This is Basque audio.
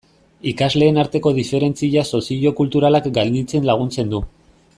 Ikasleen arteko diferentzia soziokulturalak gainditzen laguntzen du.